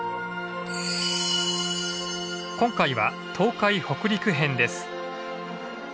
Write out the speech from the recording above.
今回は東海北陸編です。